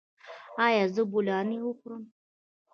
ایا زه بولاني وخورم؟